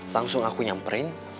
langsung aku nyamperin